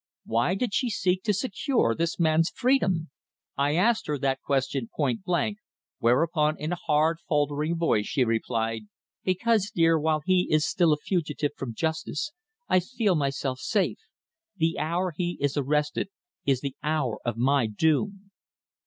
Why did she seek to secure this man's freedom? I asked her that question point blank, whereupon in a hard, faltering voice, she replied: "Because, dear, while he is still a fugitive from justice I feel myself safe. The hour he is arrested is the hour of my doom."